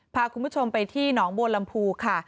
พาคุณผู้ชมไปที่หนองบัวลำพูค่ะ